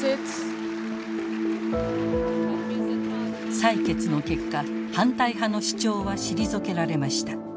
採決の結果反対派の主張は退けられました。